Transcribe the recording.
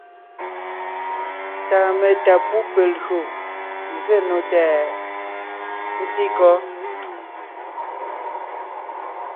Ta metá pú pe lyò zsé nò tɛʼ ? ntí kɔ́?